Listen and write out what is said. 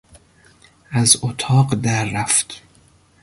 از اتاق در رفت.